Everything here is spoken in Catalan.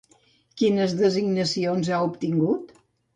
Quines designacions ha obtingut?